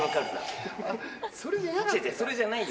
それじゃないよ。